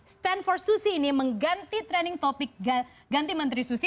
stand for susi ini mengganti trending topic ganti menteri susi